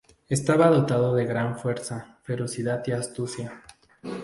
Estaba dotado de gran fuerza, ferocidad y astucia.